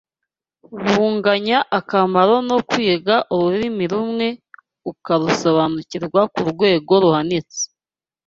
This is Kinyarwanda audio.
bunganya akamaro no kwiga ururimi rumwe ukarusobanukirwa ku rwego ruhanitse